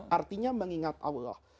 artinya mengingat allah